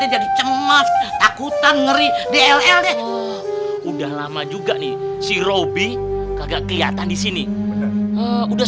ini kita jadi cemas takutan ngeri dll deh udah lama juga nih si roby kagak kelihatan disini udah